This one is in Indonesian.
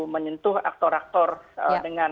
menyentuh aktor aktor dengan